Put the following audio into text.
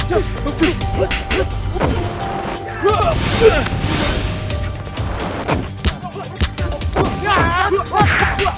selamat tinggal guys